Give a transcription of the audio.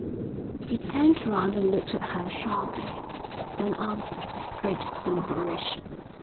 He turned round and looked at her sharply, then answered with great deliberation.